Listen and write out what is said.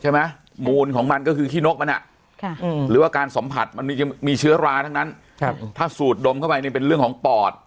ใช่มั้ยมูลของมันก็คือขี้นกอ่ะหรือว่าการสงดถอดมันมีจะมีเชื้อราเท่านั้นถ้าสูตรดมเข้าไปเนี่ยเป็นเรื่องของปอด